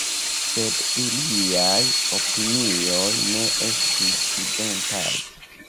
Sed iliaj opinioj ne estis identaj.